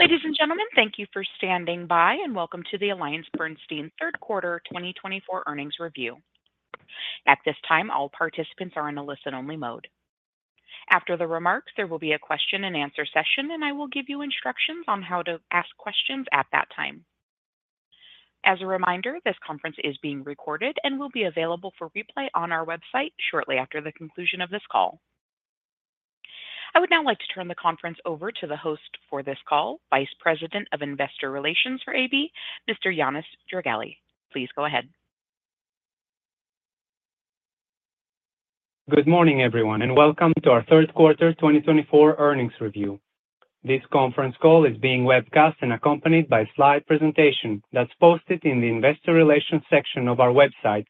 Ladies and gentlemen, thank you for standing by, and welcome to the AllianceBernstein Third Quarter 2024 Earnings Review. At this time, all participants are in a listen-only mode. After the remarks, there will be a question-and-answer session, and I will give you instructions on how to ask questions at that time. As a reminder, this conference is being recorded and will be available for replay on our website shortly after the conclusion of this call. I would now like to turn the conference over to the host for this call, Vice President of Investor Relations for AB, Mr. Yannis Georgellis. Please go ahead. Good morning, everyone, and welcome to our third quarter 2024 earnings review. This conference call is being webcast and accompanied by a slide presentation that's posted in the Investor Relations section of our website,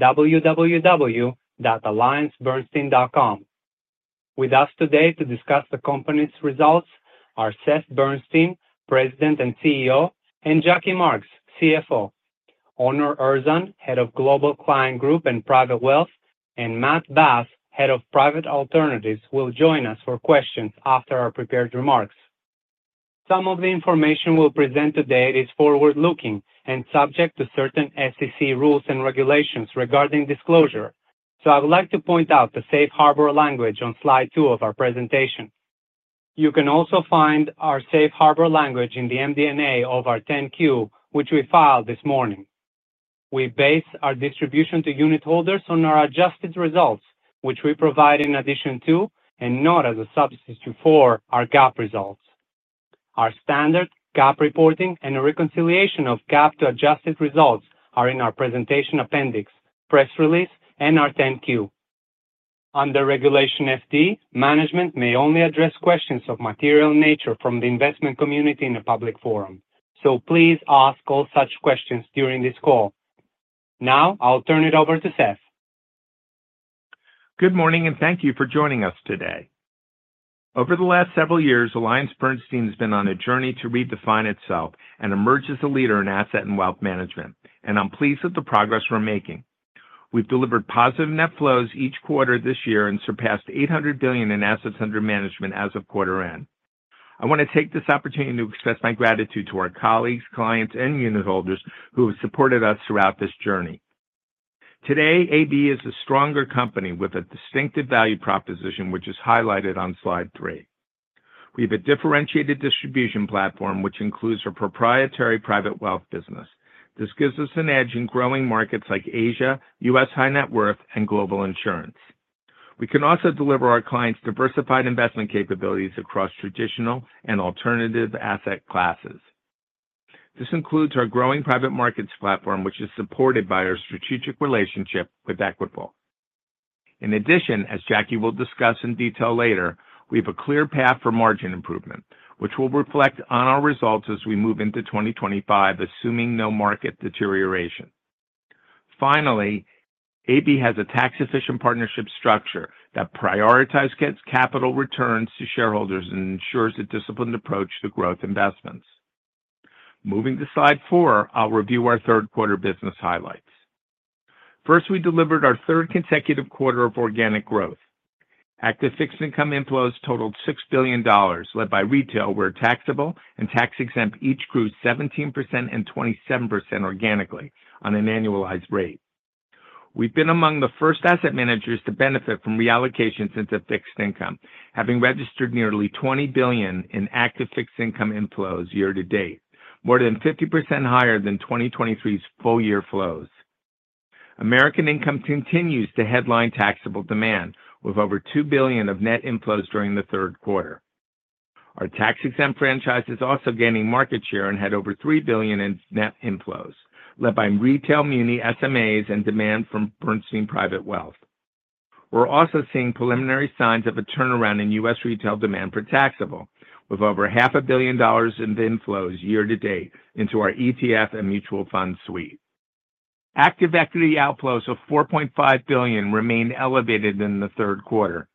www.alliancebernstein.com. With us today to discuss the company's results are Seth Bernstein, President and CEO, and Jackie Marks, CFO. Onur Erzan, Head of Global Client Group and Private Wealth, and Matt Bass, Head of Private Alternatives, will join us for questions after our prepared remarks. Some of the information we'll present today is forward-looking and subject to certain SEC rules and regulations regarding disclosure. So I would like to point out the safe harbor language on slide two of our presentation. You can also find our safe harbor language in the MD&A of our 10-Q, which we filed this morning. We base our distribution to unitholders on our adjusted results, which we provide in addition to and not as a substitute for our GAAP results. Our standard GAAP reporting and a reconciliation of GAAP to adjusted results are in our presentation appendix, press release, and our 10-Q. Under Regulation FD, management may only address questions of material nature from the investment community in a public forum. So please ask all such questions during this call. Now, I'll turn it over to Seth. Good morning, and thank you for joining us today. Over the last several years, AllianceBernstein has been on a journey to redefine itself and emerge as a leader in asset and wealth management, and I'm pleased with the progress we're making. We've delivered positive net flows each quarter this year and surpassed $800 billion in assets under management as of quarter end. I want to take this opportunity to express my gratitude to our colleagues, clients and unitholders who have supported us throughout this journey. Today, AB is a stronger company with a distinctive value proposition, which is highlighted on slide three. We have a differentiated distribution platform, which includes our proprietary Private Wealth business. This gives us an edge in growing markets like Asia, U.S. high net worth, and global insurance. We can also deliver our clients diversified investment capabilities across traditional and alternative asset classes. This includes our growing private markets platform, which is supported by our strategic relationship with Equitable. In addition, as Jackie will discuss in detail later, we have a clear path for margin improvement, which will reflect on our results as we move into 2025, assuming no market deterioration. Finally, AB has a tax-efficient partnership structure that prioritizes capital returns to shareholders and ensures a disciplined approach to growth investments. Moving to slide four, I'll review our third quarter business highlights. First, we delivered our third consecutive quarter of organic growth. Active fixed income inflows totaled $6 billion, led by retail, where taxable and tax-exempt each grew 17% and 27% organically on an annualized rate. We've been among the first asset managers to benefit from reallocations into fixed income, having registered nearly $20 billion in active fixed income inflows year to date, more than 50% higher than 2023's full year flows. American Income continues to headline taxable demand, with over $2 billion of net inflows during the third quarter. Our tax-exempt franchise is also gaining market share and had over $3 billion in net inflows, led by retail muni, SMAs, and demand from Bernstein Private Wealth. We're also seeing preliminary signs of a turnaround in U.S. retail demand for taxable, with over $500 million in inflows year to date into our ETF and mutual fund suite. Active equity outflows of $4.5 billion remain elevated in the third quarter.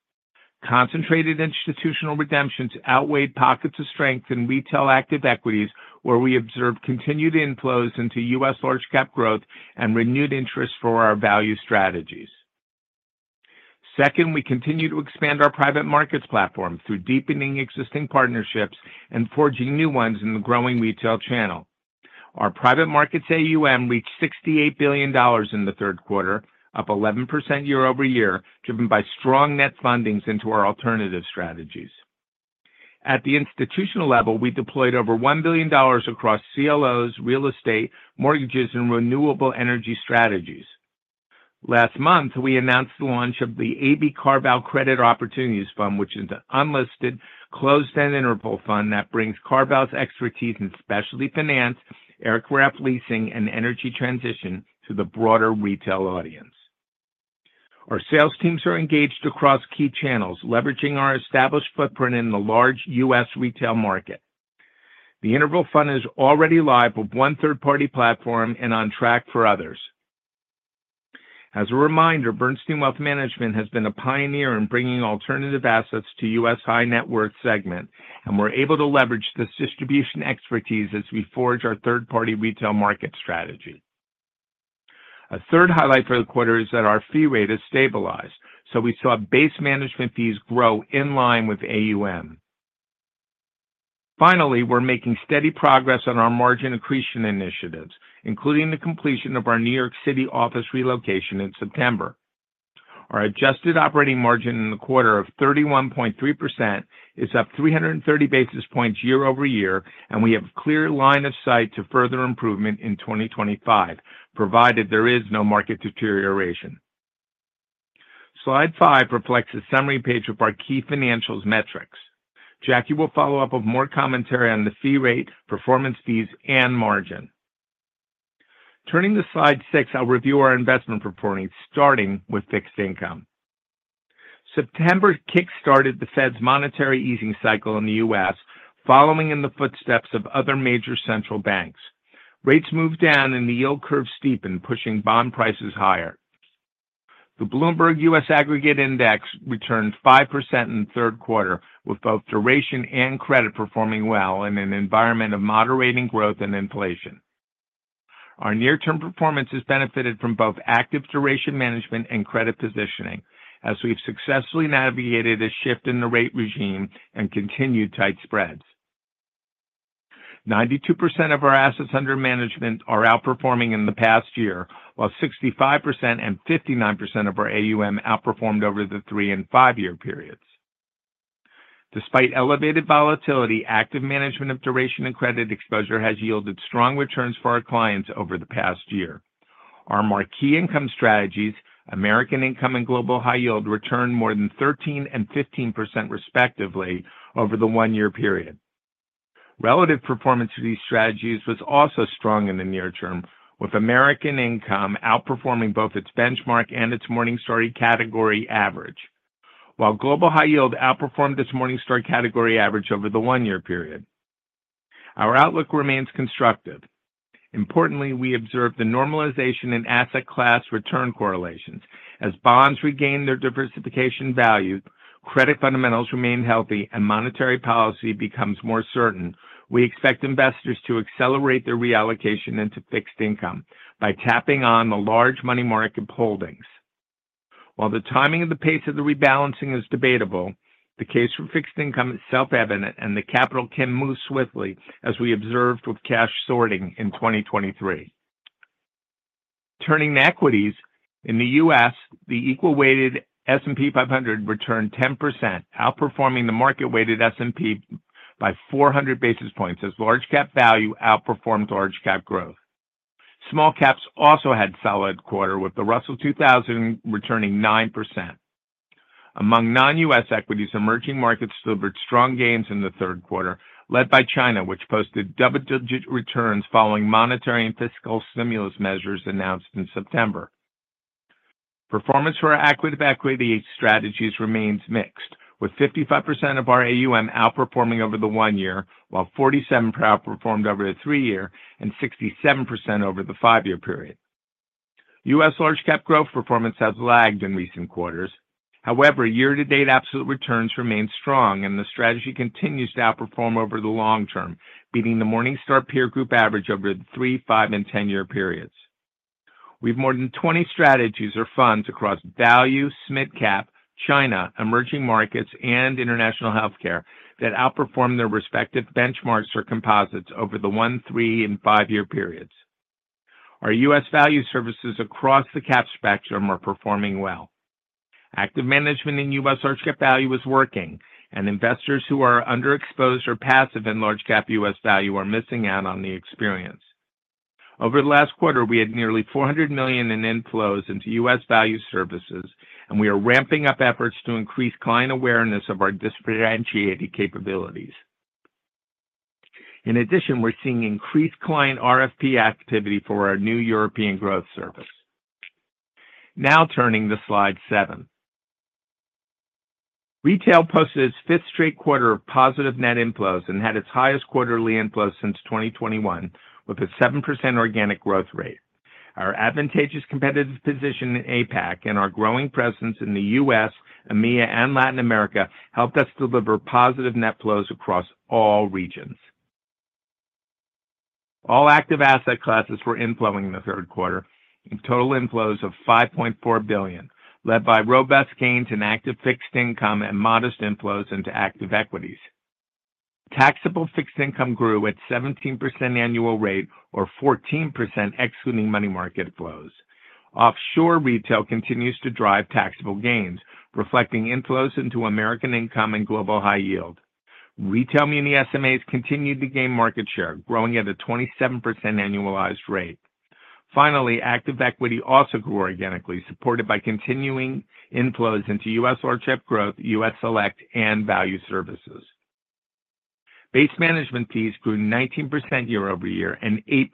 Concentrated institutional redemptions outweighed pockets of strength in retail active equities, where we observed continued inflows into U.S. Large Cap Growth and renewed interest for our value strategies. Second, we continue to expand our private markets platform through deepening existing partnerships and forging new ones in the growing retail channel. Our private markets AUM reached $68 billion in the third quarter, up 11% year over year, driven by strong net fundings into our alternative strategies. At the institutional level, we deployed over $1 billion across CLOs, real estate, mortgages, and renewable energy strategies. Last month, we announced the launch of the AB CarVal Credit Opportunities Fund, which is an unlisted, closed-end interval fund that brings CarVal expertise in specialty finance, aircraft leasing, and energy transition to the broader retail audience. Our sales teams are engaged across key channels, leveraging our established footprint in the large U.S. retail market. The interval fund is already live with one third-party platform and on track for others. As a reminder, Bernstein Wealth Management has been a pioneer in bringing alternative assets to U.S. high net worth segment, and we're able to leverage this distribution expertise as we forge our third-party retail market strategy…. A third highlight for the quarter is that our fee rate has stabilized, so we saw base management fees grow in line with AUM. Finally, we're making steady progress on our margin accretion initiatives, including the completion of our New York City office relocation in September. Our adjusted operating margin in the quarter of 31.3% is up 330 basis points year over year, and we have clear line of sight to further improvement in 2025, provided there is no market deterioration. Slide 5 reflects a summary page of our key financial metrics. Jackie will follow up with more commentary on the fee rate, performance fees, and margin. Turning to Slide 6, I'll review our investment reporting, starting with fixed income. September kick-started the Fed's monetary easing cycle in the U.S., following in the footsteps of other major central banks. Rates moved down and the yield curve steepened, pushing bond prices higher. The Bloomberg U.S. Aggregate Index returned 5% in the third quarter, with both duration and credit performing well in an environment of moderating growth and inflation. Our near-term performance has benefited from both active duration management and credit positioning, as we've successfully navigated a shift in the rate regime and continued tight spreads. 92% of our assets under management are outperforming in the past year, while 65% and 59% of our AUM outperformed over the three and five-year periods. Despite elevated volatility, active management of duration and credit exposure has yielded strong returns for our clients over the past year. Our marquee income strategies, American Income and Global High Yield, returned more than 13% and 15%, respectively, over the one-year period. Relative performance to these strategies was also strong in the near term, with American Income outperforming both its benchmark and its Morningstar category average, while Global High Yield outperformed its Morningstar category average over the one-year period. Our outlook remains constructive. Importantly, we observed the normalization in asset class return correlations. As bonds regain their diversification value, credit fundamentals remain healthy and monetary policy becomes more certain. We expect investors to accelerate their reallocation into fixed income by tapping on the large money market holdings. While the timing of the pace of the rebalancing is debatable, the case for fixed income is self-evident, and the capital can move swiftly, as we observed with cash sorting in 2023. Turning to equities. In the U.S., the equal-weighted S&P 500 returned 10%, outperforming the market-weighted S&P by 400 basis points, as large-cap value outperformed large-cap growth. Small caps also had a solid quarter, with the Russell 2000 returning 9%. Among non-U.S. equities, emerging markets delivered strong gains in the third quarter, led by China, which posted double-digit returns following monetary and fiscal stimulus measures announced in September. Performance for our active equity strategies remains mixed, with 55% of our AUM outperforming over the one-year, while 47% outperformed over the three-year and 67% over the five-year period. U.S. Large Cap Growth performance has lagged in recent quarters. However, year-to-date absolute returns remain strong, and the strategy continues to outperform over the long-term, beating the Morningstar peer group average over the three-, five-, and ten-year periods. We have more than 20 strategies or funds across value, small cap, China, Emerging Markets, and International Health Care that outperformed their respective benchmarks or composites over the one-, three-, and five-year periods. Our U.S. Value services across the cap spectrum are performing well. Active management in U.S. Large Cap Value is working, and investors who are underexposed or passive in Large Cap U.S. Value are missing out on the experience. Over the last quarter, we had nearly $400 million in inflows into U.S. Value services, and we are ramping up efforts to increase client awareness of our differentiated capabilities. In addition, we're seeing increased client RFP activity for our new European Growth service. Now turning to slide seven. Retail posted its fifth straight quarter of positive net inflows and had its highest quarterly inflows since 2021, with a 7% organic growth rate. Our advantageous competitive position in APAC and our growing presence in the U.S., EMEA, and Latin America helped us deliver positive net flows across all regions. All active asset classes were inflowing in the third quarter, in total inflows of $5.4 billion, led by robust gains in active fixed income and modest inflows into active equities. Taxable fixed income grew at 17% annual rate or 14%, excluding money market flows. Offshore retail continues to drive taxable gains, reflecting inflows into American Income and Global High Yield. Retail muni SMAs continued to gain market share, growing at a 27% annualized rate. Finally, active equity also grew organically, supported by continuing inflows into U.S. Large Cap Growth, U.S. Select, and value services. Base management fees grew 19% year over year and 8%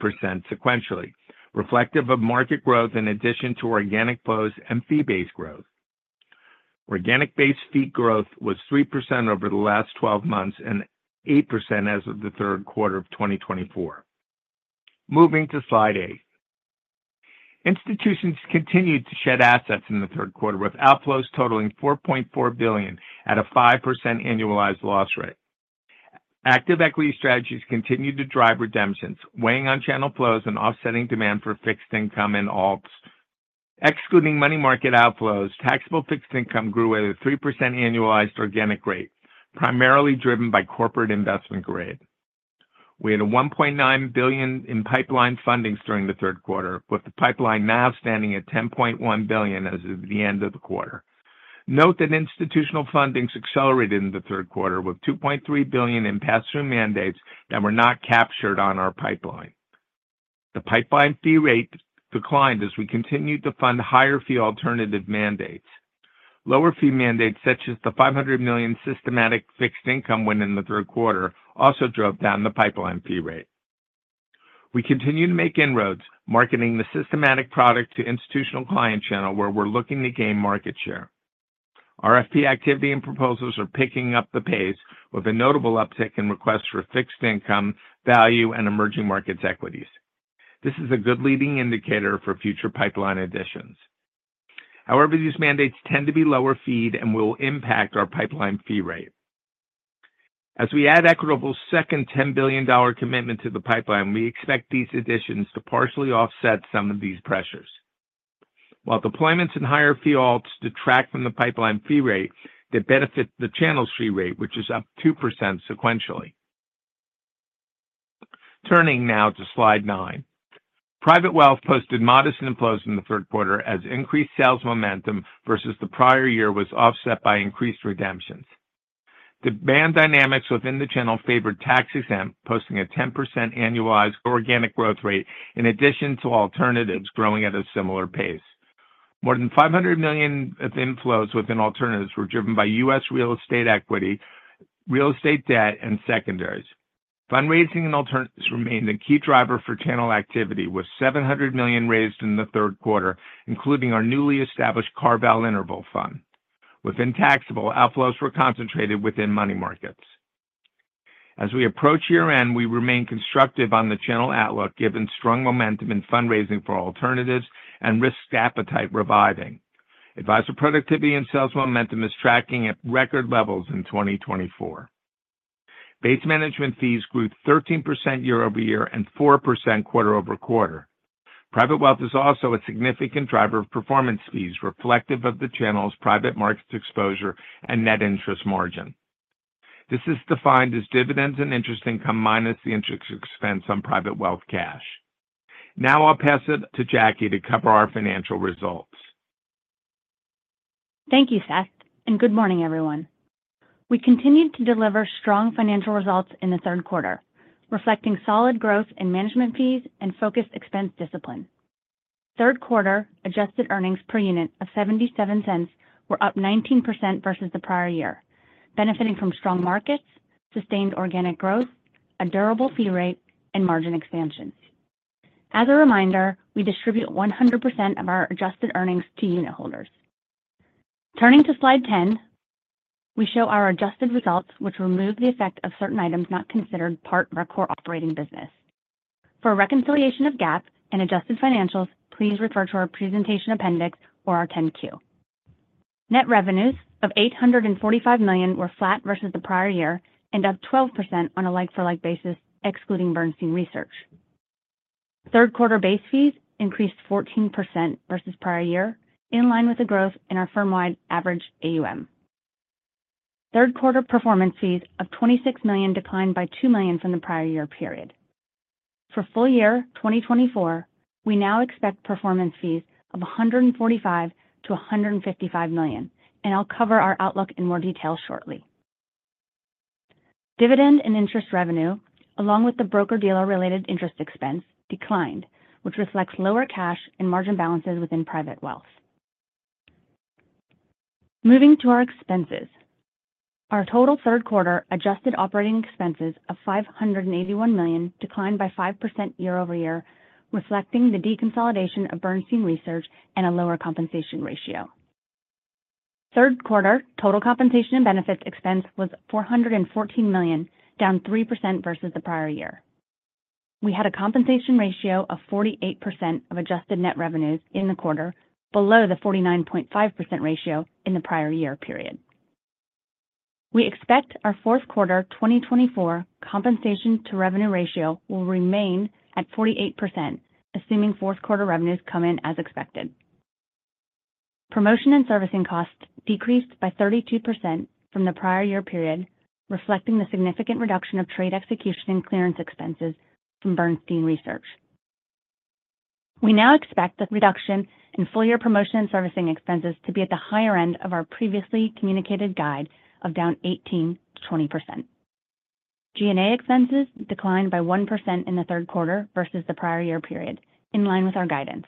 sequentially, reflective of market growth in addition to organic flows and fee-based growth. Organic-based fee growth was 3% over the last twelve months and 8% as of the third quarter of 2024. Moving to Slide 8. Institutions continued to shed assets in the third quarter, with outflows totaling $4.4 billion at a 5% annualized loss rate... Active equity strategies continued to drive redemptions, weighing on channel flows and offsetting demand for fixed income and alts. Excluding money market outflows, taxable fixed income grew at a 3% annualized organic rate, primarily driven by corporate investment grade. We had a $1.9 billion in pipeline fundings during the third quarter, with the pipeline now standing at $10.1 billion as of the end of the quarter. Note that institutional fundings accelerated in the third quarter, with $2.3 billion in pass-through mandates that were not captured on our pipeline. The pipeline fee rate declined as we continued to fund higher fee alternative mandates. Lower fee mandates, such as the $500 million Systematic Fixed Income win in the third quarter, also drove down the pipeline fee rate. We continue to make inroads, marketing the systematic product to institutional client channel, where we're looking to gain market share. RFP activity and proposals are picking up the pace, with a notable uptick in requests for fixed income, value, and emerging markets equities. This is a good leading indicator for future pipeline additions. However, these mandates tend to be lower-fee and will impact our pipeline fee rate. As we add Equitable's second $10 billion commitment to the pipeline, we expect these additions to partially offset some of these pressures. While deployments and higher fee alts detract from the pipeline fee rate, they benefit the channel's fee rate, which is up 2% sequentially. Turning now to Slide nine. Private Wealth posted modest inflows in the third quarter as increased sales momentum versus the prior year was offset by increased redemptions. Demand dynamics within the channel favored tax-exempt, posting a 10% annualized organic growth rate in addition to alternatives growing at a similar pace. More than $500 million of inflows within alternatives were driven by U.S. real estate equity, real estate debt, and secondaries. Fundraising and alternatives remained a key driver for channel activity, with $700 million raised in the third quarter, including our newly established CarVal Interval Fund. Within taxable, outflows were concentrated within money markets. As we approach year-end, we remain constructive on the channel outlook, given strong momentum in fundraising for alternatives and risk appetite reviving. Advisor productivity and sales momentum is tracking at record levels in 2024. Base management fees grew 13% year over year and 4% quarter over quarter. Private Wealth is also a significant driver of performance fees, reflective of the channel's private market exposure and net interest margin. This is defined as dividends and interest income, minus the interest expense on Private Wealth cash. Now I'll pass it to Jackie to cover our financial results. Thank you, Seth, and good morning, everyone. We continued to deliver strong financial results in the third quarter, reflecting solid growth in management fees and focused expense discipline. Third quarter adjusted earnings per unit of $0.77 were up 19% versus the prior year, benefiting from strong markets, sustained organic growth, a durable fee rate, and margin expansion. As a reminder, we distribute 100% of our adjusted earnings to unitholders. Turning to Slide 10, we show our adjusted results, which remove the effect of certain items not considered part of our core operating business. For a reconciliation of GAAP and adjusted financials, please refer to our presentation appendix or our 10-Q. Net revenues of $845 million were flat versus the prior year and up 12% on a like-for-like basis, excluding Bernstein Research. Third quarter base fees increased 14% versus prior year, in line with the growth in our firm-wide average AUM. Third quarter performance fees of $26 million declined by $2 million from the prior year period. For full year 2024, we now expect performance fees of $145 million-$155 million, and I'll cover our outlook in more detail shortly. Dividend and interest revenue, along with the broker-dealer-related interest expense, declined, which reflects lower cash and margin balances within Private Wealth. Moving to our expenses. Our total third quarter adjusted operating expenses of $581 million declined by 5% year over year, reflecting the deconsolidation of Bernstein Research and a lower compensation ratio. Third quarter total compensation and benefits expense was $414 million, down 3% versus the prior year. We had a compensation ratio of 48% of adjusted net revenues in the quarter, below the 49.5% ratio in the prior year period. We expect our fourth quarter 2024 compensation-to-revenue ratio will remain at 48%, assuming fourth quarter revenues come in as expected. Promotion and servicing costs decreased by 32% from the prior year period, reflecting the significant reduction of trade execution and clearance expenses from Bernstein Research. We now expect the reduction in full-year promotion and servicing expenses to be at the higher end of our previously communicated guide of down 18%-20%. G&A expenses declined by 1% in the third quarter versus the prior year period, in line with our guidance.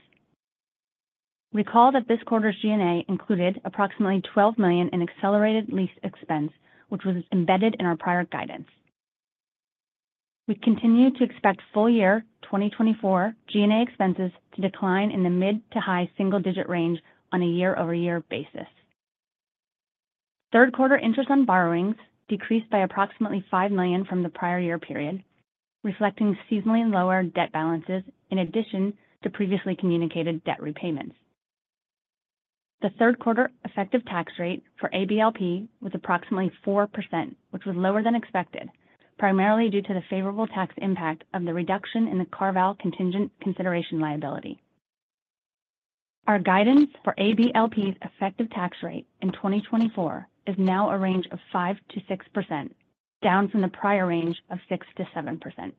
Recall that this quarter's G&A included approximately $12 million in accelerated lease expense, which was embedded in our prior guidance. We continue to expect full-year 2024 G&A expenses to decline in the mid- to high single-digit range on a year-over-year basis. Third quarter interest on borrowings decreased by approximately $5 million from the prior year period, reflecting seasonally lower debt balances in addition to previously communicated debt repayments. The third quarter effective tax rate for AB LP was approximately 4%, which was lower than expected, primarily due to the favorable tax impact of the reduction in the CarVal contingent consideration liability. Our guidance for AB LP's effective tax rate in 2024 is now a range of 5%-6%, down from the prior range of 6%-7%.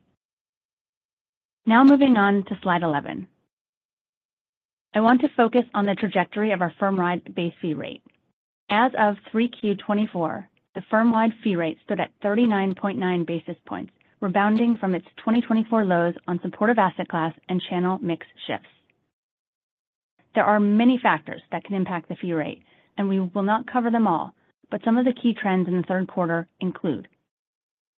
Now moving on to slide 11. I want to focus on the trajectory of our firm-wide base fee rate. As of 3Q 2024, the firm-wide fee rate stood at 39.9 basis points, rebounding from its 2024 lows on supportive asset class and channel mix shifts. There are many factors that can impact the fee rate, and we will not cover them all, but some of the key trends in the third quarter include: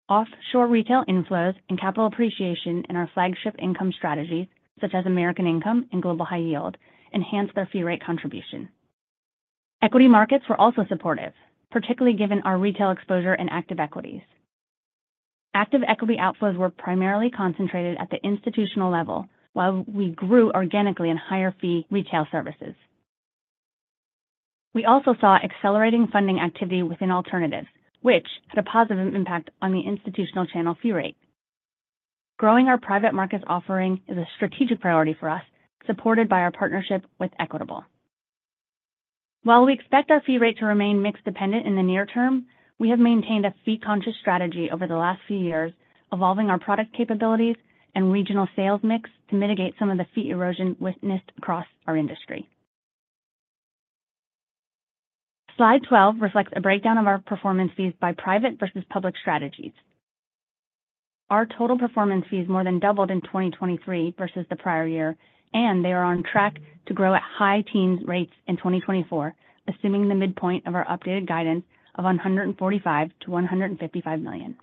offshore retail inflows and capital appreciation in our flagship income strategies, such as American Income and Global High Yield, enhanced our fee rate contribution. Equity markets were also supportive, particularly given our retail exposure and active equities. Active equity outflows were primarily concentrated at the institutional level, while we grew organically in higher fee retail services. We also saw accelerating funding activity within alternatives, which had a positive impact on the institutional channel fee rate. Growing our private markets offering is a strategic priority for us, supported by our partnership with Equitable. While we expect our fee rate to remain mix dependent in the near term, we have maintained a fee-conscious strategy over the last few years, evolving our product capabilities and regional sales mix to mitigate some of the fee erosion witnessed across our industry. Slide 12 reflects a breakdown of our performance fees by private versus public strategies. Our total performance fees more than doubled in 2023 versus the prior year, and they are on track to grow at high teens rates in 2024, assuming the midpoint of our updated guidance of $145-$155 million.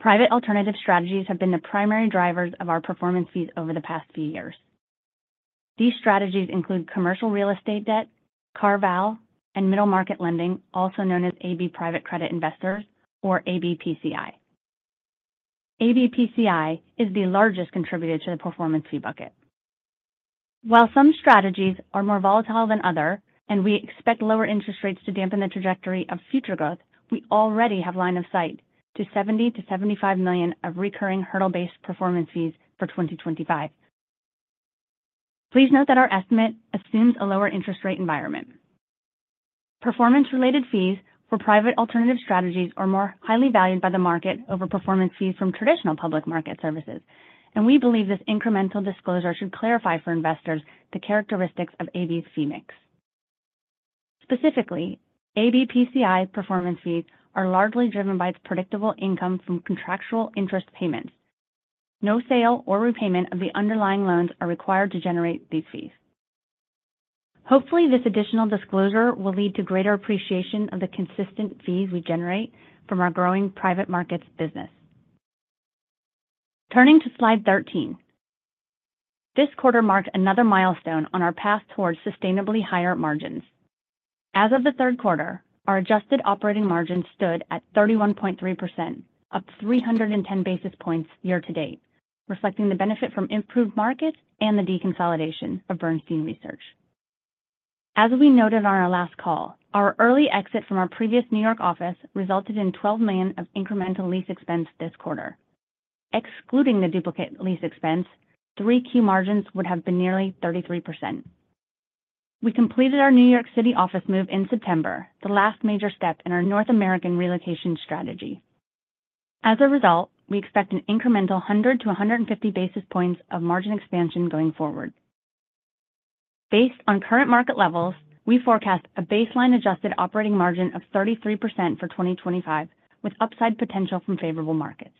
Private alternative strategies have been the primary drivers of our performance fees over the past few years. These strategies include commercial real estate debt, CarVal, and middle market lending, also known as AB Private Credit Investors or ABPCI. ABPCI is the largest contributor to the performance fee bucket. While some strategies are more volatile than others, and we expect lower interest rates to dampen the trajectory of future growth, we already have line of sight to $70-$75 million of recurring hurdle-based performance fees for 2025. Please note that our estimate assumes a lower interest rate environment. Performance-related fees for private alternative strategies are more highly valued by the market over performance fees from traditional public market services, and we believe this incremental disclosure should clarify for investors the characteristics of AB's fee mix. Specifically, ABPCI performance fees are largely driven by its predictable income from contractual interest payments. No sale or repayment of the underlying loans are required to generate these fees. Hopefully, this additional disclosure will lead to greater appreciation of the consistent fees we generate from our growing private markets business. Turning to slide thirteen. This quarter marked another milestone on our path towards sustainably higher margins. As of the third quarter, our adjusted operating margin stood at 31.3%, up 310 basis points year to date, reflecting the benefit from improved markets and the deconsolidation of Bernstein Research. As we noted on our last call, our early exit from our previous New York office resulted in $12 million of incremental lease expense this quarter. Excluding the duplicate lease expense, 3Q margins would have been nearly 33%. We completed our New York City office move in September, the last major step in our North American relocation strategy. As a result, we expect an incremental 100-150 basis points of margin expansion going forward. Based on current market levels, we forecast a baseline adjusted operating margin of 33% for 2025, with upside potential from favorable markets.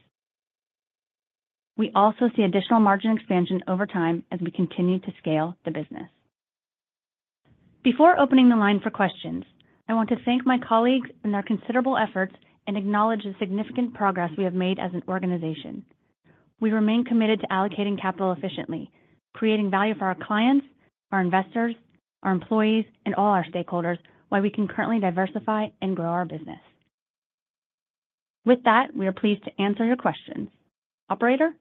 We also see additional margin expansion over time as we continue to scale the business. Before opening the line for questions, I want to thank my colleagues and their considerable efforts and acknowledge the significant progress we have made as an organization. We remain committed to allocating capital efficiently, creating value for our clients, our investors, our employees, and all our stakeholders while we can currently diversify and grow our business. With that, we are pleased to answer your questions. Operator?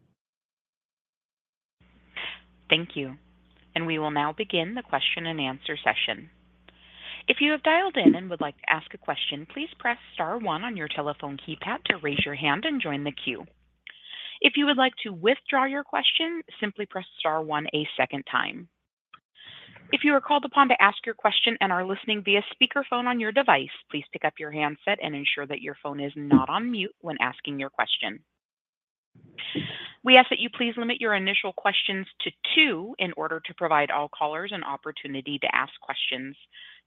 Thank you. And we will now begin the question and answer session. If you have dialed in and would like to ask a question, please press star one on your telephone keypad to raise your hand and join the queue. If you would like to withdraw your question, simply press star one a second time. If you are called upon to ask your question and are listening via speakerphone on your device, please pick up your handset and ensure that your phone is not on mute when asking your question. We ask that you please limit your initial questions to two in order to provide all callers an opportunity to ask questions.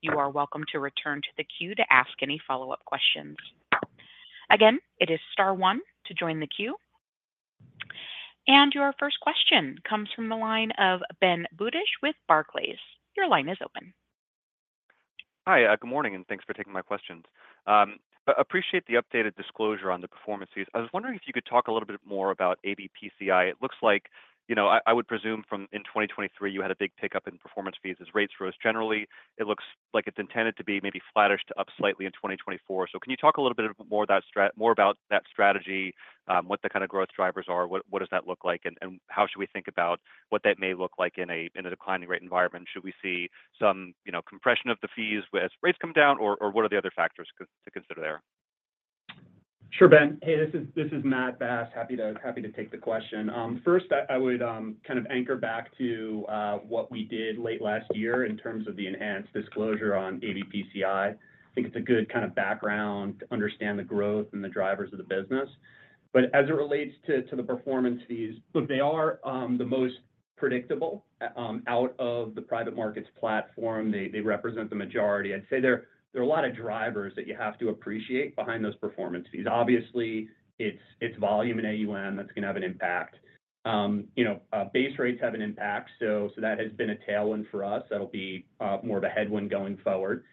You are welcome to return to the queue to ask any follow-up questions. Again, it is star one to join the queue. And your first question comes from the line of Ben Budish with Barclays. Your line is open. Hi, good morning, and thanks for taking my questions. I appreciate the updated disclosure on the performance fees. I was wondering if you could talk a little bit more about ABPCI. It looks like, you know, I would presume from in 2023, you had a big pickup in performance fees as rates rose. Generally, it looks like it's intended to be maybe flattish to up slightly in 2024. So can you talk a little bit more about that strategy, what the kind of growth drivers are, what does that look like, and how should we think about what that may look like in a declining rate environment? Should we see some, you know, compression of the fees as rates come down, or what are the other factors to consider there? Sure, Ben. Hey, this is Matt Bass. Happy to take the question. First, I would kind of anchor back to what we did late last year in terms of the enhanced disclosure on ABPCI. I think it's a good kind of background to understand the growth and the drivers of the business. But as it relates to the performance fees, look, they are the most predictable out of the private markets platform. They represent the majority. I'd say there are a lot of drivers that you have to appreciate behind those performance fees. Obviously, it's volume in AUM that's gonna have an impact. You know, base rates have an impact, so that has been a tailwind for us. That'll be more of a headwind going forward.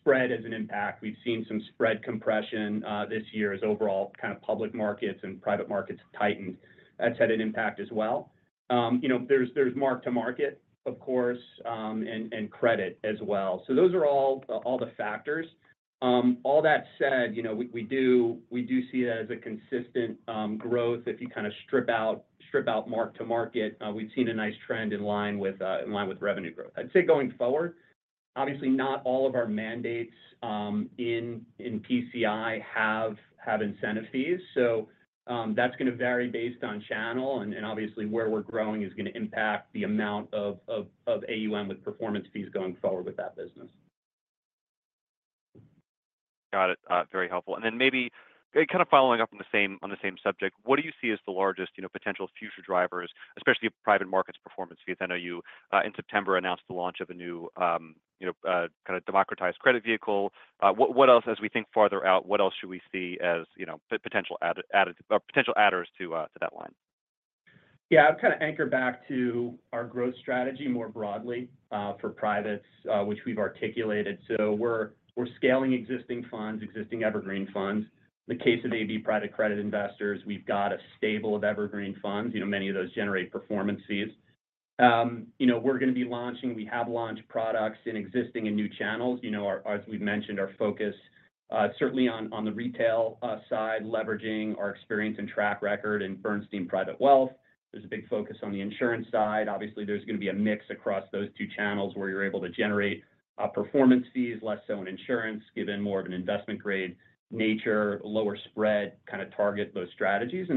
Spread is an impact. We've seen some spread compression this year as overall kind of public markets and private markets tightened. That's had an impact as well. You know, there's mark-to-market, of course, and credit as well. So those are all the factors. All that said, you know, we do see it as a consistent growth. If you kind of strip out mark-to-market, we've seen a nice trend in line with revenue growth. I'd say going forward, obviously, not all of our mandates in PCI have incentive fees, so that's gonna vary based on channel. And obviously, where we're growing is gonna impact the amount of AUM with performance fees going forward with that business. Got it. Very helpful. And then maybe, kind of following up on the same, on the same subject, what do you see as the largest, you know, potential future drivers, especially private markets performance fees? I know you in September announced the launch of a new, you know, kind of democratized credit vehicle. What else as we think farther out, what else should we see as, you know, potential adders to that line? Yeah, I'd kind of anchor back to our growth strategy more broadly, for privates, which we've articulated. So we're scaling existing funds, existing evergreen funds. In the case of AB Private Credit Investors, we've got a stable of evergreen funds. You know, many of those generate performance fees. You know, we're going to be launching. We have launched products in existing and new channels. You know, our, as we've mentioned, our focus, certainly on the retail side, leveraging our experience and track record in Bernstein Private Wealth. There's a big focus on the insurance side. Obviously, there's going to be a mix across those two channels where you're able to generate performance fees, less so in insurance, given more of an investment-grade nature, lower spread, kind of target those strategies.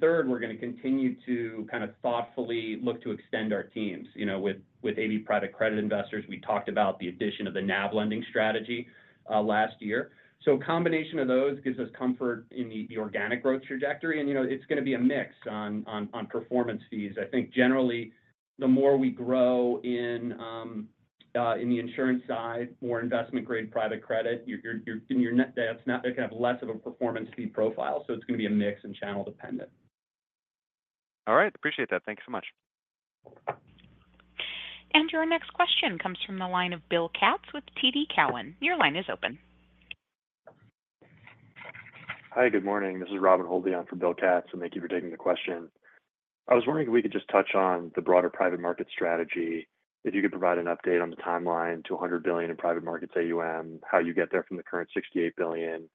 Third, we're going to continue to kind of thoughtfully look to extend our teams. You know, with AB Private Credit Investors, we talked about the addition of the NAV lending strategy last year. So the combination of those gives us comfort in the organic growth trajectory, and you know, it's going to be a mix on performance fees. I think generally, the more we grow in the insurance side, more investment-grade private credit, your net, that's gonna have less of a performance fee profile, so it's going to be a mix and channel dependent. All right. Appreciate that. Thank you so much. And your next question comes from the line of Bill Katz with TD Cowen. Your line is open. Hi, good morning. This is Robert Hallett for Bill Katz, and thank you for taking the question. I was wondering if we could just touch on the broader private market strategy. If you could provide an update on the timeline to a $100 billion in private markets AUM, how you get there from the current $68 billion?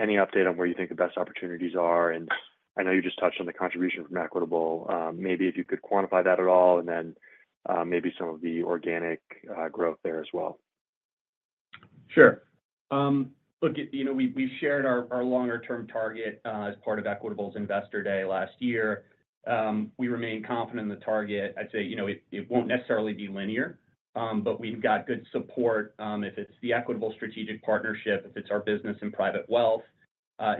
Any update on where you think the best opportunities are? And I know you just touched on the contribution from Equitable, maybe if you could quantify that at all, and then, maybe some of the organic, growth there as well. Sure. Look, you know, we've shared our longer-term target as part of Equitable's Investor Day last year. We remain confident in the target. I'd say, you know, it won't necessarily be linear, but we've got good support, if it's the Equitable strategic partnership, if it's our business and private wealth.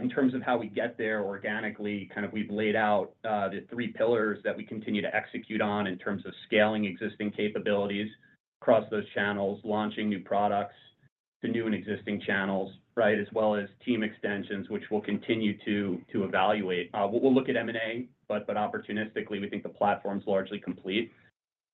In terms of how we get there organically, kind of we've laid out the three pillars that we continue to execute on in terms of scaling existing capabilities across those channels, launching new products to new and existing channels, right? As well as team extensions, which we'll continue to evaluate. We'll look at M&A, but opportunistically, we think the platform's largely complete.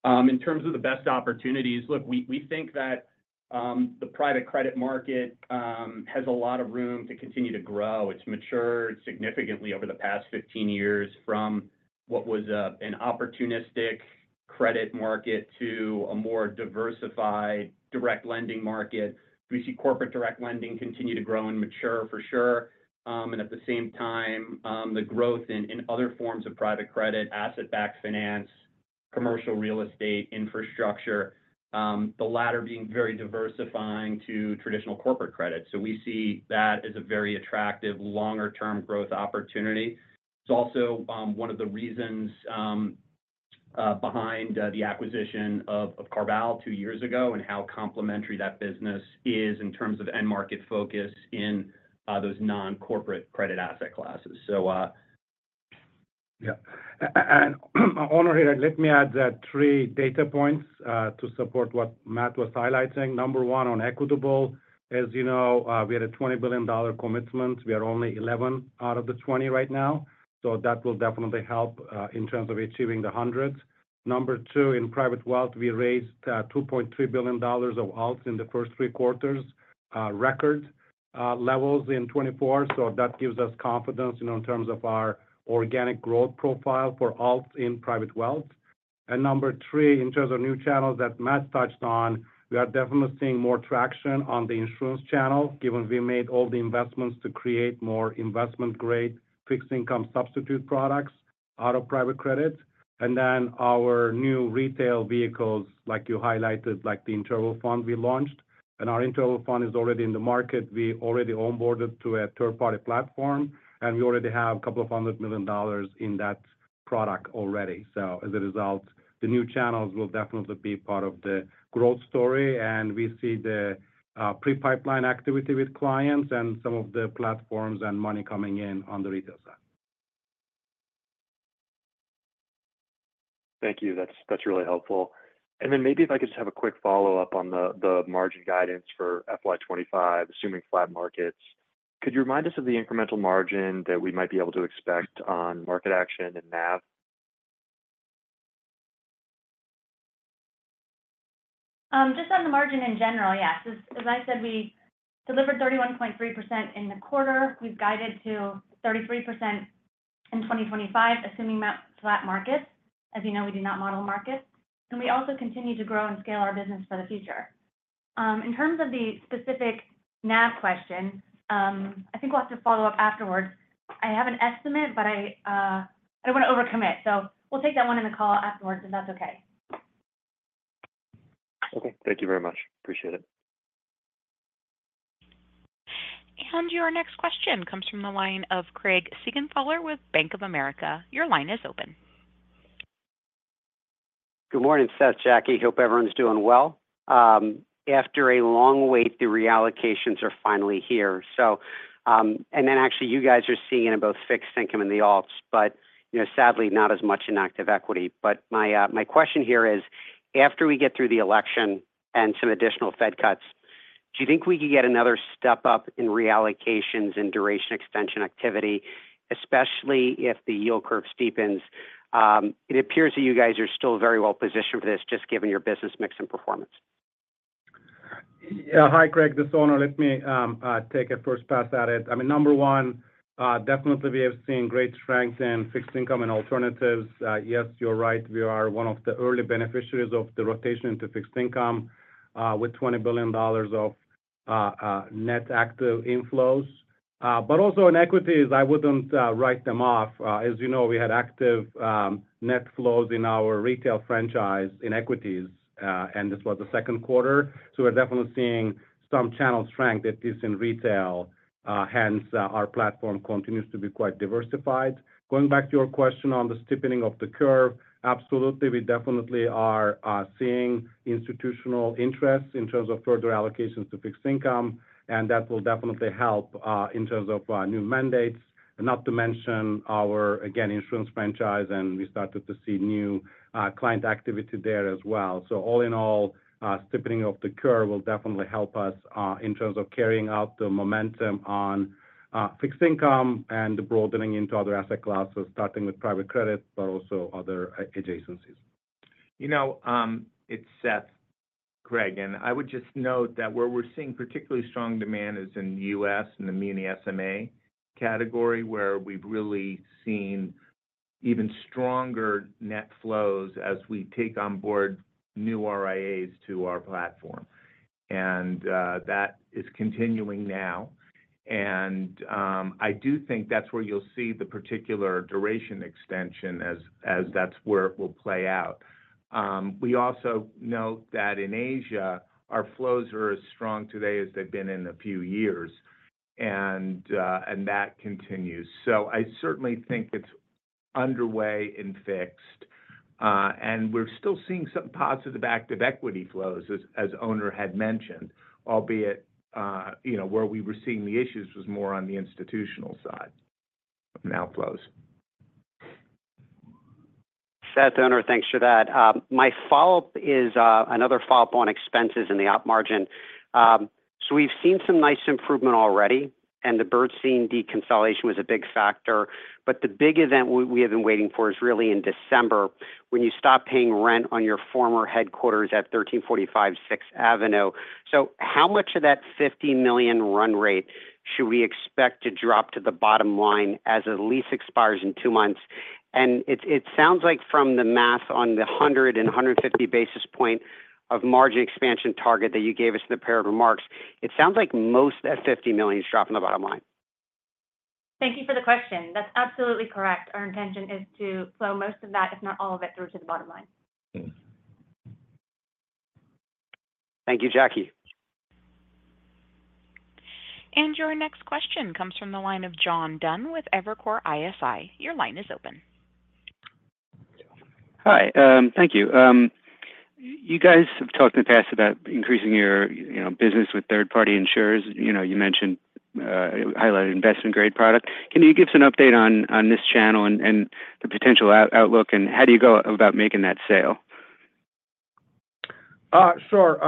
In terms of the best opportunities, look, we think that the private credit market has a lot of room to continue to grow. It's matured significantly over the past 15 years from what was an opportunistic credit market to a more diversified direct lending market. We see corporate direct lending continue to grow and mature for sure, and at the same time, the growth in other forms of private credit, asset-based finance, commercial real estate, infrastructure, the latter being very diversifying to traditional corporate credit. So we see that as a very attractive longer-term growth opportunity. It's also one of the reasons behind the acquisition of CarVal two years ago and how complementary that business is in terms of end-market focus in those non-corporate credit asset classes. So, yeah. And Onur here, let me add three data points to support what Matt was highlighting. Number one, on Equitable, as you know, we had a $20 billion commitment. We are only 11 out of the 20 right now, so that will definitely help in terms of achieving the hundred. Number two, in Private Wealth, we raised $2.3 billion of alts in the first three quarters, record levels in 2024. So that gives us confidence, you know, in terms of our organic growth profile for alts in Private Wealth. And number three, in terms of new channels that Matt touched on, we are definitely seeing more traction on the insurance channel, given we made all the investments to create more investment-grade, fixed income substitute products. Out of private credit, and then our new retail vehicles, like you highlighted, like the interval fund we launched. And our interval fund is already in the market. We already onboarded to a third-party platform, and we already have $200 million in that product already. So as a result, the new channels will definitely be part of the growth story, and we see the pre-pipeline activity with clients and some of the platforms and money coming in on the retail side. Thank you. That's really helpful. And then maybe if I could just have a quick follow-up on the margin guidance for FY twenty-five, assuming flat markets. Could you remind us of the incremental margin that we might be able to expect on market action and NAV? Just on the margin in general, yes. As I said, we delivered 31.3% in the quarter. We've guided to 33% in 2025, assuming that flat markets. As you know, we do not model markets, and we also continue to grow and scale our business for the future. In terms of the specific NAV question, I think we'll have to follow up afterwards. I have an estimate, but I, I don't want to overcommit, so we'll take that one in the call afterwards, if that's okay. Okay. Thank you very much. Appreciate it. Your next question comes from the line of Craig Siegenthaler with Bank of America. Your line is open. Good morning, Seth, Jackie. Hope everyone's doing well. After a long wait, the reallocations are finally here. So, and then actually, you guys are seeing it in both fixed income and the alts, but, you know, sadly, not as much in active equity. But my, my question here is, after we get through the election and some additional Fed cuts, do you think we could get another step up in reallocations and duration extension activity, especially if the yield curve steepens? It appears that you guys are still very well positioned for this, just given your business mix and performance. Yeah. Hi, Craig, this is Onur. Let me take a first pass at it. I mean, number one, definitely we have seen great strength in fixed income and alternatives. Yes, you're right, we are one of the early beneficiaries of the rotation into fixed income, with $20 billion of net active inflows. But also in equities, I wouldn't write them off. As you know, we had active net flows in our retail franchise in equities, and this was the second quarter. So we're definitely seeing some channel strength at least in retail, hence our platform continues to be quite diversified. Going back to your question on the steepening of the curve, absolutely, we definitely are seeing institutional interest in terms of further allocations to fixed income, and that will definitely help in terms of new mandates. Not to mention our, again, insurance franchise, and we started to see new client activity there as well. So all in all, steepening of the curve will definitely help us in terms of carrying out the momentum on fixed income and broadening into other asset classes, starting with private credit, but also other adjacencies. You know, it's Seth, Craig, and I would just note that where we're seeing particularly strong demand is in the U.S., in the muni SMA category, where we've really seen even stronger net flows as we take on board new RIAs to our platform. And, that is continuing now, and, I do think that's where you'll see the particular duration extension as, that's where it will play out. We also note that in Asia, our flows are as strong today as they've been in a few years, and that continues. So I certainly think it's underway in fixed income, and we're still seeing some positive active equity flows, as, Onur had mentioned, albeit, you know, where we were seeing the issues was more on the institutional side of outflows. Seth, Onur, thanks for that. My follow-up is another follow-up on expenses and the op margin. So we've seen some nice improvement already, and the Bernstein deconsolidation was a big factor, but the big event we have been waiting for is really in December, when you stop paying rent on your former headquarters at 1345 Sixth Avenue. So how much of that $50 million run rate should we expect to drop to the bottom line as the lease expires in two months? And it sounds like from the math on the 150 basis points of margin expansion target that you gave us in the prepared remarks, it sounds like most of that $50 million is dropping to the bottom line. Thank you for the question. That's absolutely correct. Our intention is to flow most of that, if not all of it, through to the bottom line. Mm. Thank you, Jackie. Your next question comes from the line of John Dunn with Evercore ISI. Your line is open. Hi. Thank you. You guys have talked in the past about increasing your, you know, business with third-party insurers. You know, you mentioned, highlighted investment-grade product. Can you give us an update on this channel and the potential outlook, and how do you go about making that sale? Sure.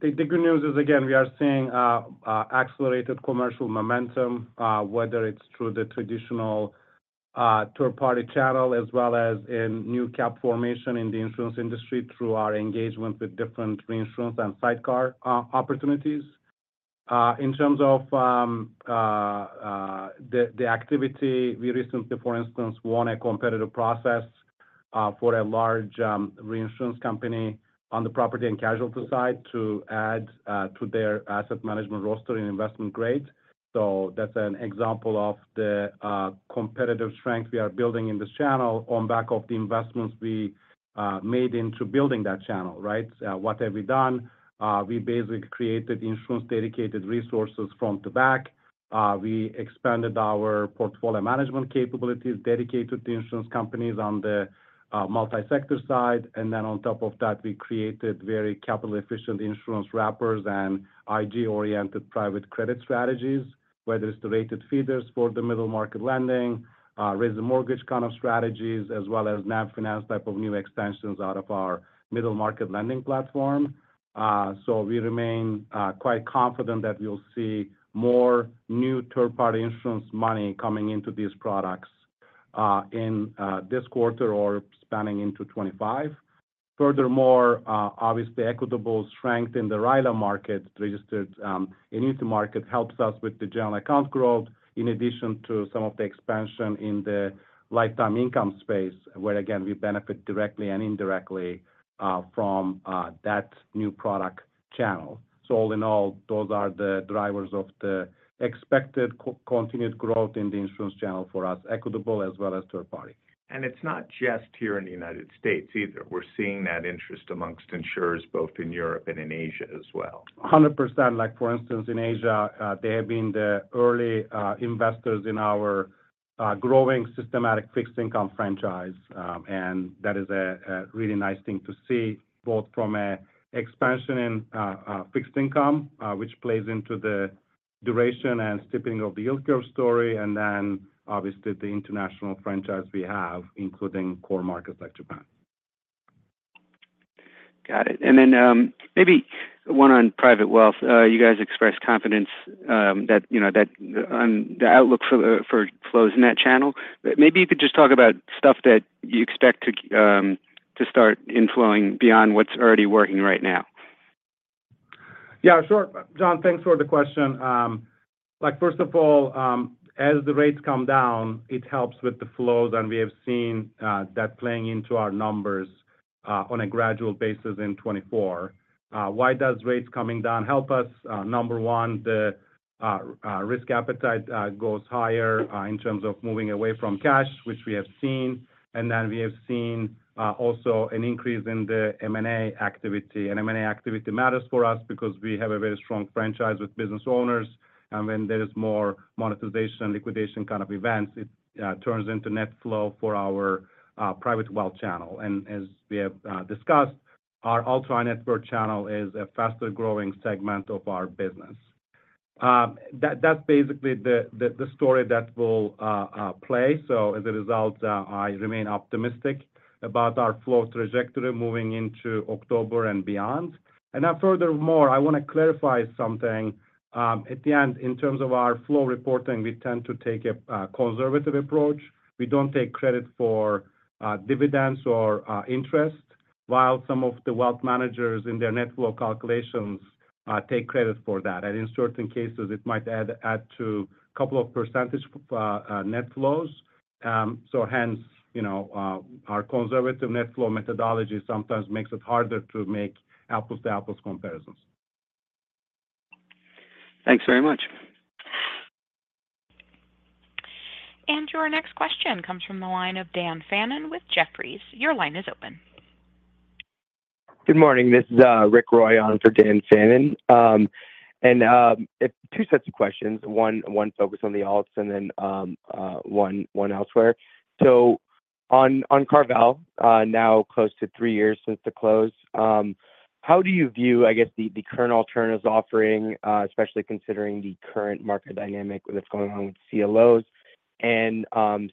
The good news is, again, we are seeing accelerated commercial momentum, whether it's through the traditional third-party channel as well as in new cap formation in the insurance industry through our engagement with different reinsurance and sidecar opportunities. In terms of the activity, we recently, for instance, won a competitive process for a large reinsurance company on the property and casualty side to add to their asset management roster in investment grade. So that's an example of the competitive strength we are building in this channel on back of the investments we made into building that channel, right? What have we done? We basically created insurance-dedicated resources front to back. We expanded our portfolio management capabilities dedicated to insurance companies on the multi-sector side. And then on top of that, we created very capital-efficient insurance wrappers and IG-oriented private credit strategies, whether it's the rated feeders for the middle-market lending, raised mortgage kind of strategies, as well as NAV finance type of new extensions out of our middle-market lending platform. So we remain quite confident that we'll see more new third-party insurance money coming into these products in this quarter or spanning into 2025. Furthermore, obviously, Equitable strength in the RILA market, registered and unit-linked market helps us with the general account growth, in addition to some of the expansion in the lifetime income space, where, again, we benefit directly and indirectly from that new product channel. So all in all, those are the drivers of the expected continued growth in the insurance channel for us, Equitable as well as third party. It's not just here in the United States either. We're seeing that interest among insurers, both in Europe and in Asia as well. 100%. Like, for instance, in Asia, they have been the early investors in our growing Systematic Fixed Income franchise, and that is a really nice thing to see, both from an expansion in fixed income, which plays into the duration and steepening of the yield curve story, and then obviously the international franchise we have, including core markets like Japan. Got it. And then, maybe one on Private Wealth. You guys expressed confidence, that, you know, that the outlook for, for flows in that channel. Maybe you could just talk about stuff that you expect to start inflowing beyond what's already working right now. Yeah, sure. John, thanks for the question. Like, first of all, as the rates come down, it helps with the flows, and we have seen that playing into our numbers on a gradual basis in 2024. Why does rates coming down help us? Number one, the risk appetite goes higher in terms of moving away from cash, which we have seen. And then we have seen also an increase in the M&A activity. And M&A activity matters for us because we have a very strong franchise with business owners, and when there is more monetization, liquidation kind of events, it turns into net flow for our Private Wealth channel. And as we have discussed, our ultra-net worth channel is a faster-growing segment of our business. That's basically the story that will play. So as a result, I remain optimistic about our flow trajectory moving into October and beyond. And now, furthermore, I want to clarify something. At the end, in terms of our flow reporting, we tend to take a conservative approach. We don't take credit for dividends or interest, while some of the wealth managers in their net flow calculations take credit for that. And in certain cases, it might add to a couple of percentage net flows. So hence, you know, our conservative net flow methodology sometimes makes it harder to make apples-to-apples comparisons. Thanks very much. Your next question comes from the line of Dan Fannon with Jefferies. Your line is open. Good morning. This is, Ricky Roy on for Dan Fannon. And, two sets of questions. One focused on the alts and then, one elsewhere. So on CarVal, now close to three years since the close, how do you view, I guess, the current alternatives offering, especially considering the current market dynamic that's going on with CLOs? And,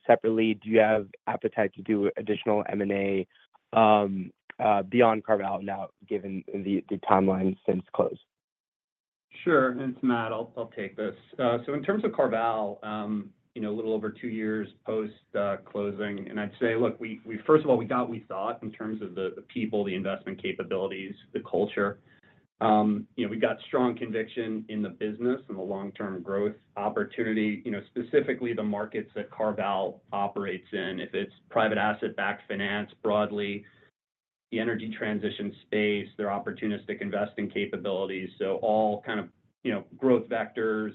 separately, do you have appetite to do additional M&A, beyond CarVal now, given the timeline since close? Sure. And it's Matt, I'll take this. So in terms of CarVal, you know, a little over two years post closing, and I'd say, look, we first of all got what we thought in terms of the people, the investment capabilities, the culture. You know, we got strong conviction in the business and the long-term growth opportunity, you know, specifically the markets that CarVal operates in. If it's private asset-backed finance, broadly, the energy transition space, their opportunistic investing capabilities, so all kind of, you know, growth vectors,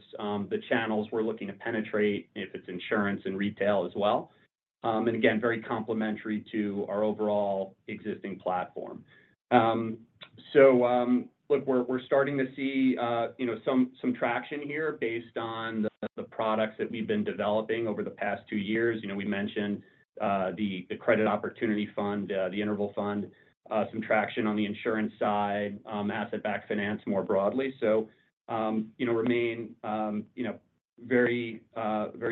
the channels we're looking to penetrate, if it's insurance and retail as well. And again, very complementary to our overall existing platform. So look, we're starting to see, you know, some traction here based on the products that we've been developing over the past two years. You know, we mentioned the credit opportunity fund, the interval fund, some traction on the insurance side, asset-backed finance more broadly. So, you know, remain very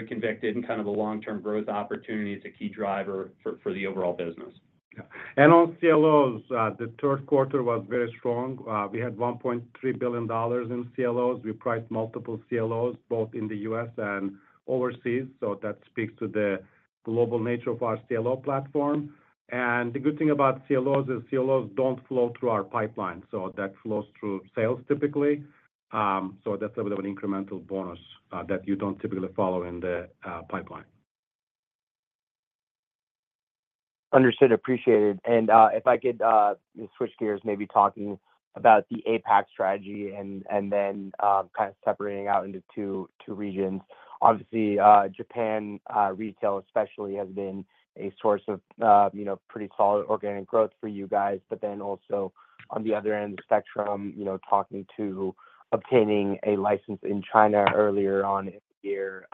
convicted in kind of a long-term growth opportunity as a key driver for the overall business. Yeah. And on CLOs, the third quarter was very strong. We had $1.3 billion in CLOs. We priced multiple CLOs, both in the U.S. and overseas, so that speaks to the global nature of our CLO platform. And the good thing about CLOs is CLOs don't flow through our pipeline, so that flows through sales typically. So that's a bit of an incremental bonus, that you don't typically follow in the pipeline. Understood. Appreciated. And if I could switch gears, maybe talking about the APAC strategy and then kind of separating out into two regions. Obviously, Japan, retail especially, has been a source of you know pretty solid organic growth for you guys. But then also on the other end of the spectrum, you know talking about obtaining a license in China earlier on in the year.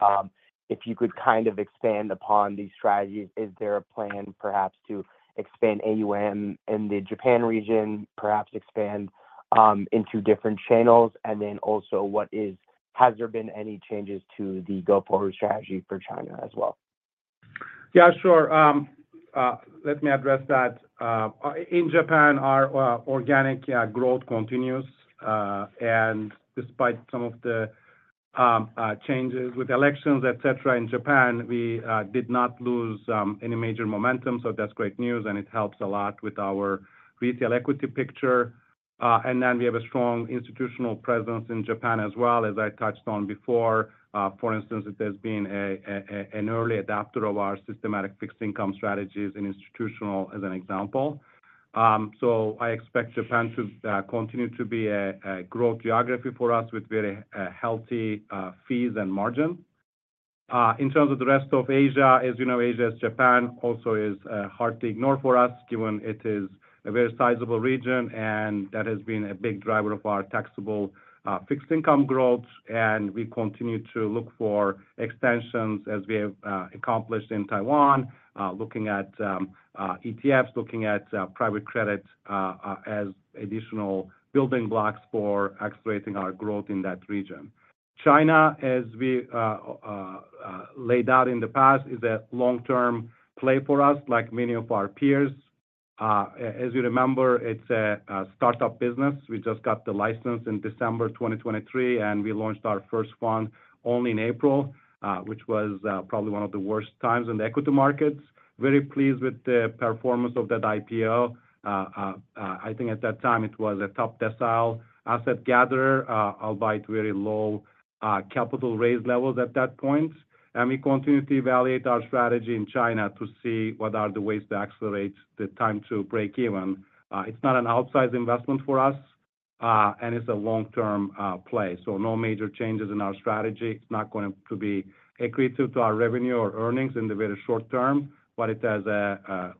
If you could kind of expand upon these strategies. Is there a plan perhaps to expand AUM in the Japan region, perhaps expand into different channels? And then also, has there been any changes to the go-forward strategy for China as well? Yeah, sure. Let me address that. In Japan, our organic growth continues. And despite some of the changes with elections, et cetera, in Japan, we did not lose any major momentum. So that's great news, and it helps a lot with our retail equity picture. And then we have a strong institutional presence in Japan as well, as I touched on before. For instance, it has been an early adopter of our Systematic Fixed Income strategies and institutional as an example. So I expect Japan to continue to be a growth geography for us with very healthy fees and margin. In terms of the rest of Asia, as you know, Asia ex-Japan also is hard to ignore for us, given it is a very sizable region, and that has been a big driver of our taxable fixed income growth. And we continue to look for extensions as we have accomplished in Taiwan, looking at ETFs, looking at private credit as additional building blocks for accelerating our growth in that region. China, as we laid out in the past, is a long-term play for us, like many of our peers. As you remember, it's a startup business. We just got the license in December 2023, and we launched our first fund only in April, which was probably one of the worst times in the equity markets. Very pleased with the performance of that IPO. I think at that time it was a top-decile asset gatherer, albeit very low capital raise levels at that point. And we continue to evaluate our strategy in China to see what are the ways to accelerate the time to breakeven. It's not an outsized investment for us, and it's a long-term play. So no major changes in our strategy. It's not going to be accretive to our revenue or earnings in the very short term, but it has a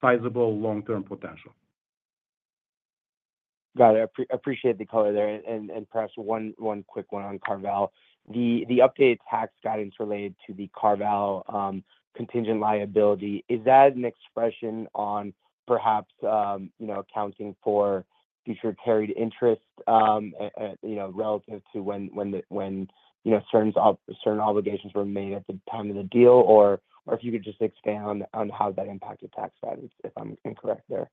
sizable long-term potential. Got it. Appreciate the color there. And perhaps one quick one on CarVal. The updated tax guidance related to the CarVal contingent liability, is that an expression on perhaps, you know, accounting for future carried interest, you know, relative to when the, you know, certain obligations were made at the time of the deal? Or if you could just expand on how that impacted tax guidance, if I'm incorrect there.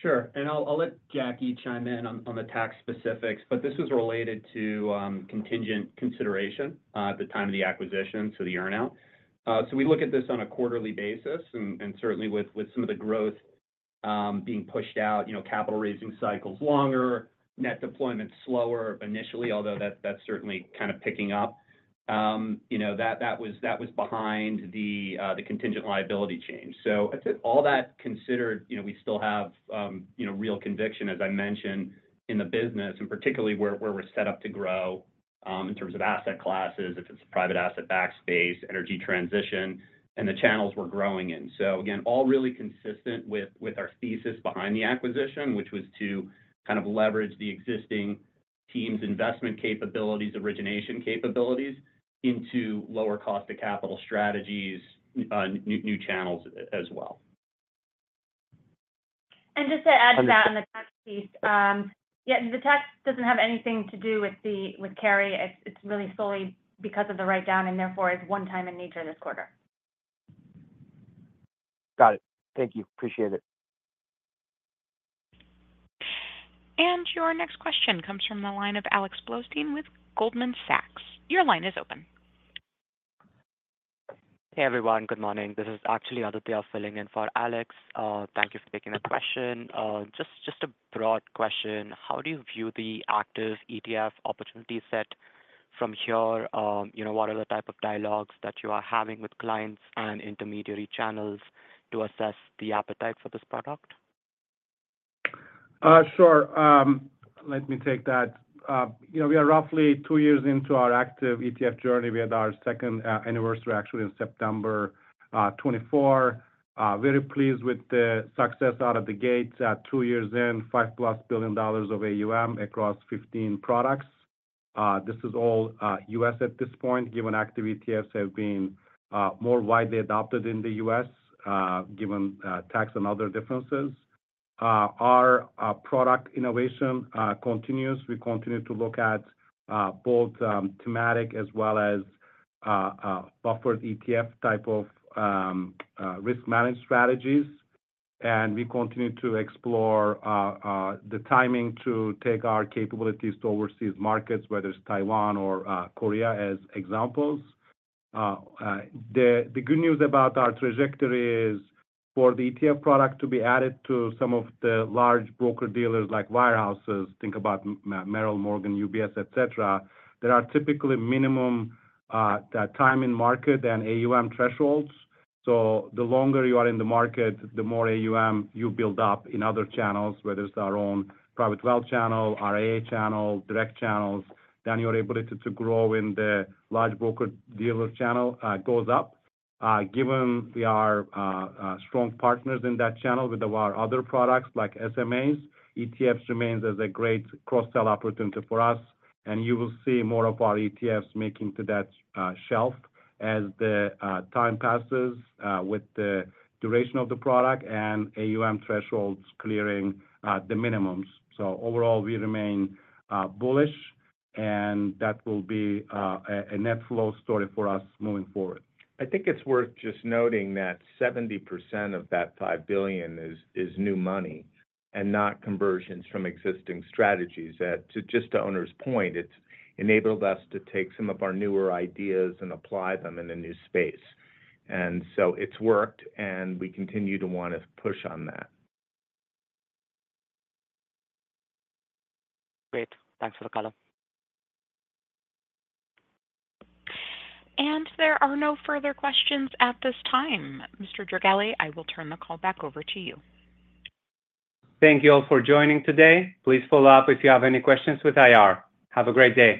Sure. And I'll let Jackie chime in on the tax specifics, but this was related to contingent consideration at the time of the acquisition, so the earn-out. So we look at this on a quarterly basis, and certainly with some of the growth being pushed out, you know, capital-raising cycle's longer, net deployment slower initially, although that's certainly kind of picking up. You know, that was behind the contingent liability change. So all that considered, you know, we still have real conviction, as I mentioned, in the business, and particularly where we're set up to grow in terms of asset classes, if it's private asset-backed space, energy transition, and the channels we're growing in. So again, all really consistent with our thesis behind the acquisition, which was to kind of leverage the existing team's investment capabilities, origination capabilities, into lower cost-of-capital strategies, new channels as well. And just to add to that, on the tax piece, yeah, the tax doesn't have anything to do with the carry. It's really solely because of the write-down, and therefore, it's one-time in nature this quarter. Got it. Thank you. Appreciate it. And your next question comes from the line of Alex Blostein with Goldman Sachs. Your line is open. Hey, everyone. Good morning. This is actually Aditya filling in for Alex. Thank you for taking the question. Just a broad question: How do you view the active ETF opportunity set from here? You know, what are the type of dialogues that you are having with clients and intermediary channels to assess the appetite for this product? Sure. Let me take that. You know, we are roughly two years into our active ETF journey. We had our second anniversary actually in September 2024. Very pleased with the success out of the gate. At two years in, $5-plus billion of AUM across 15 products. This is all U.S. at this point, given active ETFs have been more widely adopted in the U.S., given tax and other differences. Our product innovation continues. We continue to look at both thematic as well as buffered ETF type of risk-management strategies. And we continue to explore the timing to take our capabilities to overseas markets, whether it's Taiwan or Korea, as examples. The good news about our trajectory is for the ETF product to be added to some of the large broker-dealers, like wirehouses, think about Merrill, Morgan, UBS, et cetera. There are typically minimum time in market and AUM thresholds. So the longer you are in the market, the more AUM you build up in other channels, whether it's our own Private Wealth channel, RIA channel, direct channels, then your ability to grow in the large broker-dealer channel goes up. Given we are strong partners in that channel with our other products, like SMAs, ETFs remains as a great cross-sell opportunity for us, and you will see more of our ETFs making to that shelf as the time passes with the duration of the product and AUM thresholds clearing the minimums. So overall, we remain bullish, and that will be a net flow story for us moving forward. I think it's worth just noting that 70% of that $5 billion is new money and not conversions from existing strategies. That, to Onur's point, it's enabled us to take some of our newer ideas and apply them in a new space. And so it's worked, and we continue to want to push on that. Great. Thanks for the color. There are no further questions at this time. Mr. Georgellis, I will turn the call back over to you. Thank you all for joining today. Please follow up if you have any questions with IR. Have a great day.